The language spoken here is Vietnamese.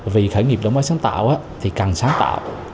vì khởi nghiệp mới sáng tạo thì cần sáng tạo